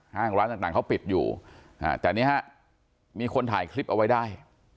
ห้างร้านต่างเขาปิดอยู่แต่นี่ฮะมีคนถ่ายคลิปเอาไว้ได้